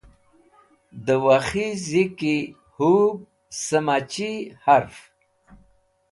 Dẽ Wuk̃hi/ Wakhi ziki hũb sẽmachi harf.